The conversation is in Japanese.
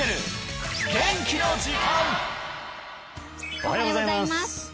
おはようございます